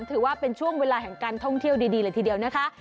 ถือว่าเป็นช่วงเวลาแห่งการท่องเที่ยวดีเลยทีเดียวนะคะ